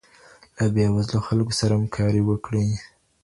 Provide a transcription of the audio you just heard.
له بې وزلو خلګو سره همکاري وکړئ.